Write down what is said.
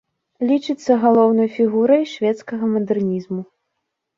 Лічыцца галоўнай фігурай шведскага мадэрнізму.